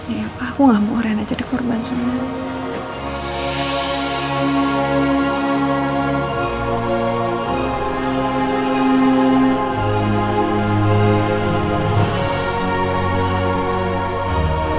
iya pa aku nggak mau rena jadi korban semua